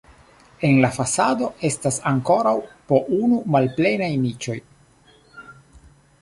En la fasado estas ankoraŭ po unu malplenaj niĉoj.